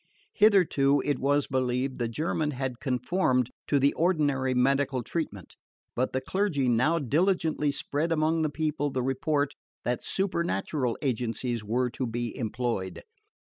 Hitherto, it was believed, the German had conformed to the ordinary medical treatment; but the clergy now diligently spread among the people the report that supernatural agencies were to be employed.